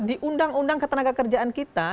di undang undang ketenaga kerjaan kita